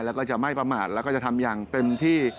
แล้วก็จะไม่ประมาทแล้วก็จะทำอย่างเต็มที่